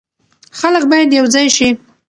خلک باید یو ځای شي.